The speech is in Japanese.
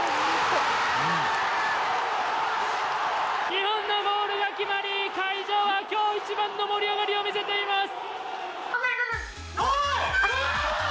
日本のゴールが決まり会場は今日一番の盛り上がりを見せています。